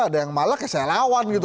ada yang malah kayak saya lawan gitu